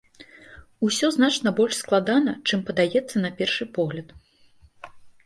Усё значна больш складана, чым падаецца на першы погляд.